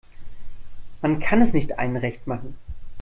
Man kann es nicht allen recht machen.